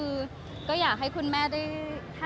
มันเป็นปัญหาจัดการอะไรครับ